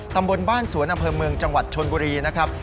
ตำบลบ้านสวนอำเภอเมืองจังหวัดชนบุรีนะครับ